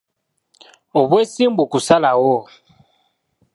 Obwesimbu kusalawo.